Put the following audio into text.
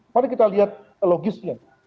mari kita lihat logisnya